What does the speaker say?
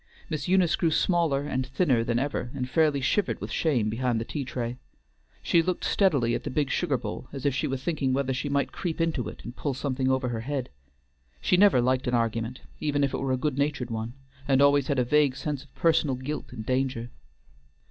Miss Eunice grew smaller and thinner than ever, and fairly shivered with shame behind the tea tray. She looked steadily at the big sugar bowl, as if she were thinking whether she might creep into it and pull something over her head. She never liked an argument, even if it were a good natured one, and always had a vague sense of personal guilt and danger.